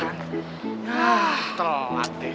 ya enggan ya telat deh